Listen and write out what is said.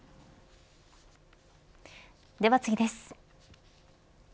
では次です。